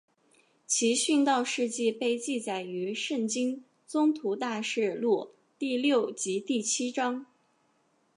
其殉道事迹被记载于圣经宗徒大事录第六及第七章。